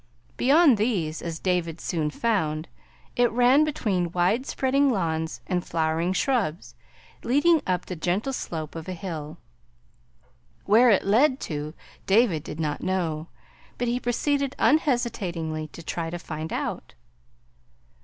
Beyond these, as David soon found, it ran between wide spreading lawns and flowering shrubs, leading up the gentle slope of a hill. Where it led to, David did not know, but he proceeded unhesitatingly to try to find out.